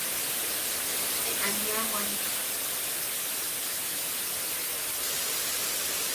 Te aniawan.